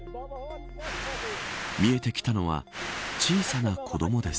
見えてきたのは小さな子どもです。